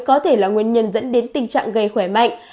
có thể là nguyên nhân dẫn đến tình trạng gây khỏe mạnh